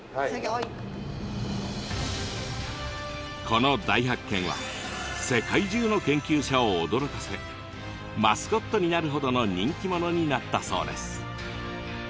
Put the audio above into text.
この大発見は世界中の研究者を驚かせマスコットになるほどの人気者になったそうです。